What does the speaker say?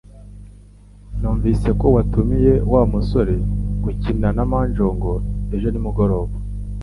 Numvise ko watumiye Wa musore gukina na mahjong ejo nimugoroba